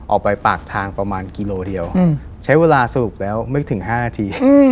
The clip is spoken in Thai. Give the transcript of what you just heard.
ออกไปปากทางประมาณกิโลเดียวใช้เวลาสรุปแล้วไม่ถึง๕นาที